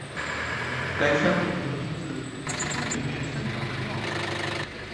该山峰得名自其东北面山脚的庙仔。